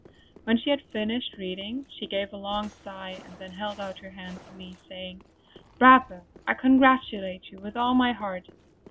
When she had finished reading, she gave a long sigh and then held out her hand to me saying: "Bravo! I congratulate you with all my heart!"